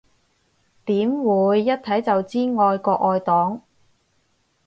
點會，一睇就知愛國愛黨